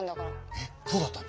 えっ⁉そうだったの？